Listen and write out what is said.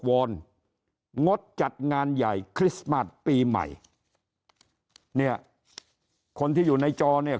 อนงดจัดงานใหญ่คริสต์มาสปีใหม่เนี่ยคนที่อยู่ในจอเนี่ย